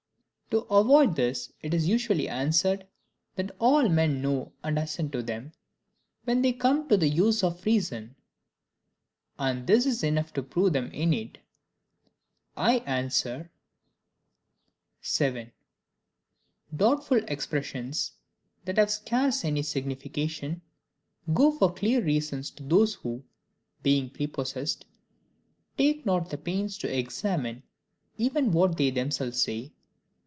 To avoid this, it is usually answered, that all men know and assent to them, WHEN THEY COME TO THE USE OF REASON; and this is enough to prove them innate. I answer: 7. Doubtful expressions, that have scarce any signification, go for clear reasons to those who, being prepossessed, take not the pains to examine even what they themselves say.